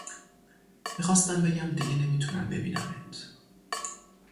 می خواستم بگم دیگه نمی تونم ببینمت